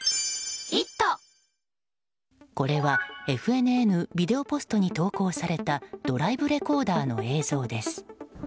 これはＦＮＮビデオＰｏｓｔ投稿されたドライブレコーダーの映像です。